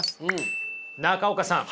中岡さん。